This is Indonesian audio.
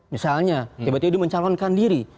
misalnya tiba tiba dia mencalonkan diri